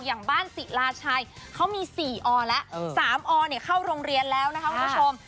อย่างบ้านศิลาชัยเขามี๔อแล้ว๓อเข้าโรงเรียนแล้วนะคะคุณผู้ชม